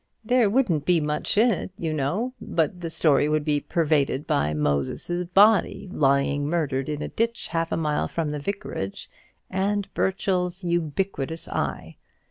"There wouldn't be much in it, you know; but the story would be pervaded by Moses's body lying murdered in a ditch half a mile from the vicarage, and Burchell's ubiquitous eye.